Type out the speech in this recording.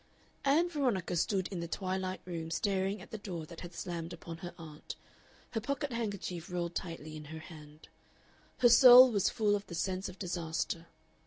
Ann Veronica stood in the twilight room staring at the door that had slammed upon her aunt, her pocket handkerchief rolled tightly in her hand. Her soul was full of the sense of disaster.